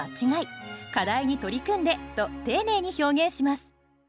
「課題に取り組んで」と丁寧に表現します。